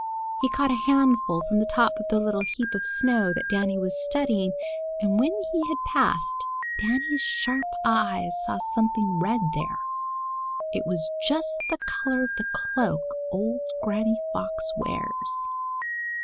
He caught a handful from the top of the little heap of snow that Danny was studying, and when he had passed, Danny's sharp eyes saw something red there. It was just the color of the cloak old Granny Fox wears.